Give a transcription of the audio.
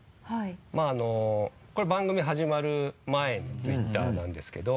これ番組始まる前のＴｗｉｔｔｅｒなんですけど。